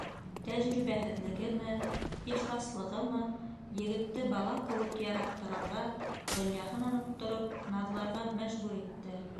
Тәжрибәһеҙлегеме, ихласлығымы егетте бала кеүек яраттырырға, донъяһын оноттороп наҙларға мәжбүр итте.